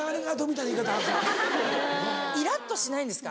イラっとしないんですか？